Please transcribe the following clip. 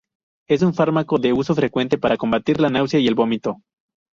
Es un fármaco de uso frecuente para combatir la náusea y el vómito.